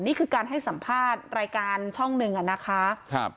นี่คือการให้สัมภาษณ์รายการช่องหนึ่งอ่ะนะคะครับ